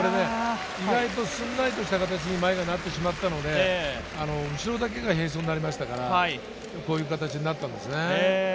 意外とすんなりとした形に前がなったので、後ろだけが並走になりましたから、こういう形になったんですね。